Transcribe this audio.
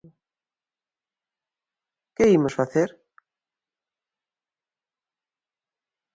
Que imos facer?